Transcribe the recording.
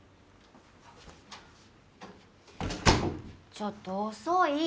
ちょっと遅い。